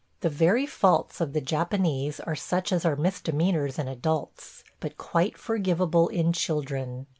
The very faults of the Japanese are such as are misdemeanors in adults but quite forgivable in children.